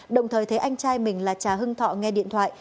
đồng thời thấy anh trai mình là cha hưng thọ nghe điện thoại